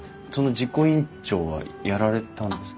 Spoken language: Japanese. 実行委員長はやられたんですか？